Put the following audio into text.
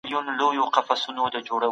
په دې سپیڅلې لاره کې.